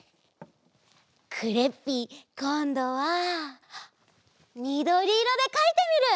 クレッピーこんどはみどりいろでかいてみる！